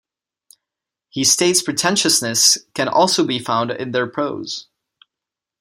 He states pretentiousness can also be found in their prose.